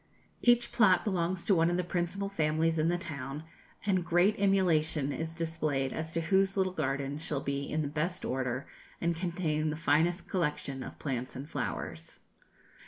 Each plot belongs to one of the principal families in the town, and great emulation is displayed as to whose little garden shall be in the best order and contain the finest collection of plants and flowers.